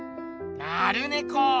なるネコー。